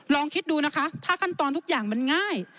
ลองคิดดูนะคะถ้าขั้นตอนทุกอย่างมันง่าย